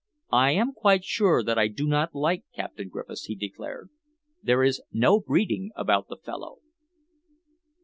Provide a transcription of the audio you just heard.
"I am quite sure that I do not like Captain Griffiths," he declared. "There is no breeding about the fellow."